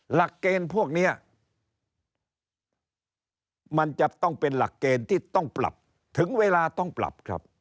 หลักเกณฑ์พวกนี้มันจะต้องเป็นหลักเกณฑ์ที่ต้องปรับถึงเวลาต้องปรับครับ